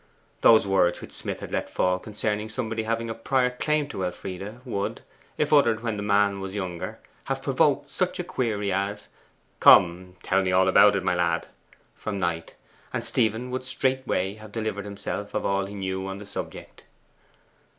Those words which Smith had let fall concerning somebody having a prior claim to Elfride, would, if uttered when the man was younger, have provoked such a query as, 'Come, tell me all about it, my lad,' from Knight, and Stephen would straightway have delivered himself of all he knew on the subject.